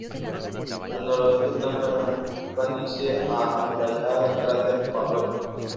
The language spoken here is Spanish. Al noroeste está la gran planicie amurallada del cráter Pavlov.